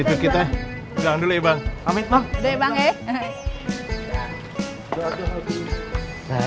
sampai salam buat dagang lain